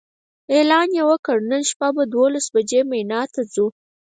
اعلان یې وکړ نن شپه دولس بجې به مینا ته ځو.